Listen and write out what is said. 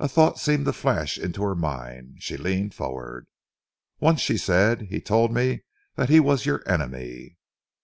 A thought seemed to flash into her mind. She leaned forward. "Once," she said, "he told me that he was your enemy."